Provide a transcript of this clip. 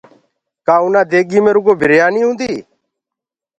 ڪآ آنآ ديگي مي رگو بريآني هوندي